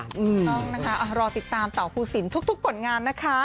รอติดตามเต๋าครูสินทุกผลงานนะคะ